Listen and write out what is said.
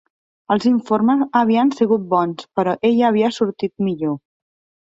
Els informes havien sigut bons, però ella havia sortit millor